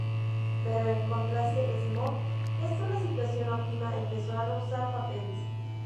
Pero, encontrándose Esmond en una situación óptima, empezó a rehusar papeles.